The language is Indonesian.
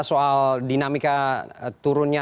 soal dinamika turunnya